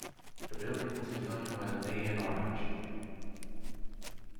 The building was designed by Leigh and Orange.